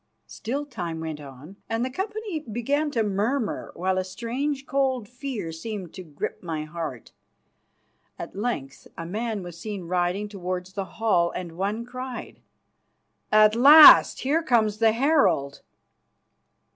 Still time went on, and the company began to murmur, while a strange, cold fear seemed to grip my heart. At length a man was seen riding towards the hall, and one cried, "At last! Here comes the herald!"